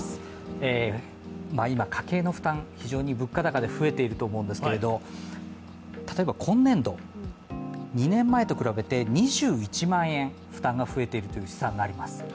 今、家計の負担、非常に物価高で増えていると思うんですけど例えば今年度、２年前と比べて２１万円負担が増えているという試算があります